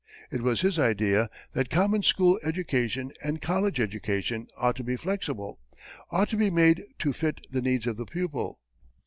It was his idea that common school education and college education ought to be flexible, ought to be made to fit the needs of the pupil.